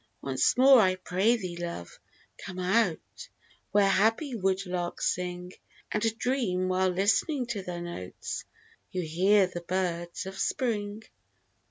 Once more, I pray thee, love, come out, Where happy woodlarks sing, And dream, while listening to their notes, You hear the birds of Spring.